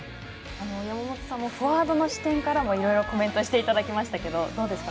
山本さんもフォワードの視点からもいろいろコメントしていただきましたがどうですか？